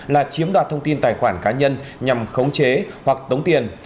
là chiếm đoạt thông tin tài khoản cá nhân nhằm khống chế hoặc tống tiền